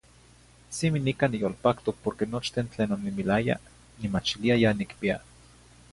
Cimi nica niyolpactoc porque nochten tlen oninimilaya nimachilia ya nicpiya.